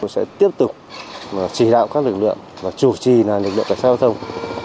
sẽ tiếp tục chỉ đạo các lực lượng và chủ trì lực lượng cảnh sát giao thông